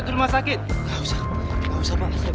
terima kasih ya pak